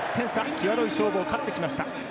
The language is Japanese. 際どい勝負を勝ってきました。